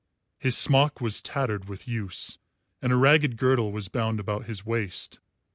His smock was tattered with use, and a ragged girdle was bound about his waist.